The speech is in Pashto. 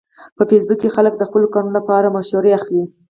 په فېسبوک کې خلک د خپلو کارونو لپاره مشورې اخلي